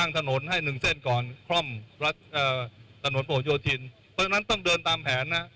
ตอนนั้นต้องเดินตามแผนนะ